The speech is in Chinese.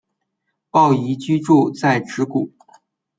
抱嶷居住在直谷。